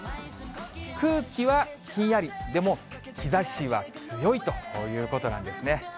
空気はひんやり、でも日ざしは強いということなんですね。